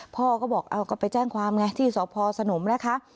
พ่อก็บอกเอาก็ไปแจ้งความไงที่สพสนมนะคะ